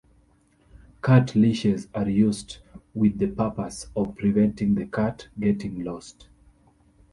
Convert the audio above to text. Cat leashes are used with the purpose of preventing the cat getting lost.